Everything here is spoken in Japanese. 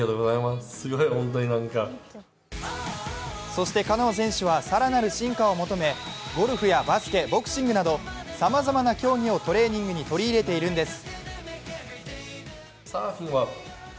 そしてカノア選手は更なる進化を求めゴルフやバスケ、ボクシングなどさまざまな競技をトレーニングに取り入れているんです。